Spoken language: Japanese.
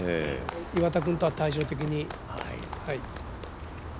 岩田君とは対照的に。